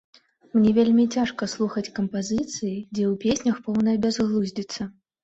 Мне вельмі цяжка слухаць кампазіцыі, дзе ў песнях поўная бязглуздзіца.